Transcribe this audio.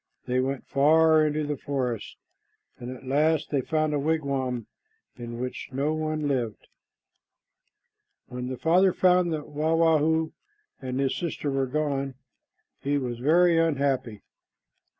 They went far into the forest, and at last they found a wigwam in which no one lived. When the father found that Wah wah hoo and his sister were gone, he was very unhappy.